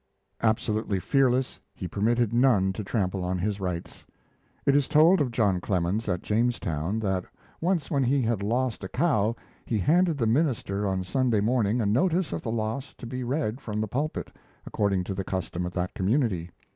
Absolutely fearless, he permitted none to trample on his rights. It is told of John Clemens, at Jamestown, that once when he had lost a cow he handed the minister on Sunday morning a notice of the loss to be read from the pulpit, according to the custom of that community.